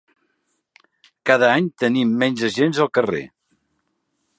Cada any tenim menys agents al carrer.